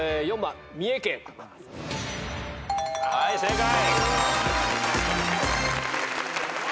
はい正解。